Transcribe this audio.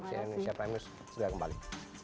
saya indonesia prime news sudah kembali